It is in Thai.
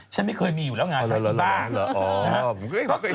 ฉันไม่เคยมีอยู่แล้วงาช้างอยู่บ้าน